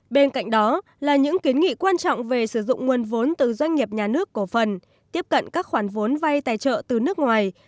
bên cạnh đó là những kiến nghị quan trọng về sử dụng nguồn vốn từ doanh nghiệp nhà nước cổ phần tiếp cận các khoản vốn vay tài trợ từ nước ngoài